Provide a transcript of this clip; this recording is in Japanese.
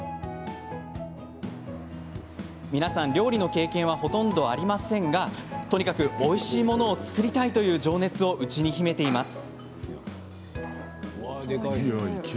皆さん、料理の経験はほとんどありませんがとにかく、おいしいものを作りたいという情熱を内に秘めています。